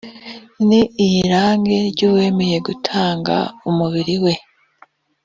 n iy irage by uwemeye gutanga umubiri we